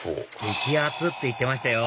激アツっていってましたよ